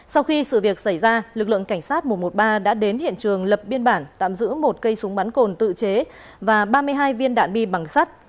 sau khi sự việc xảy ra lực lượng cảnh sát một trăm một mươi ba đã đến hiện trường lập biên bản tạm giữ một cây súng bắn cồn tự chế và ba mươi hai viên đạn bi bằng sắt